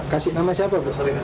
kasih nama siapa bu